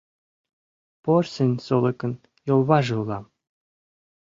Порсын солыкын йолваже улам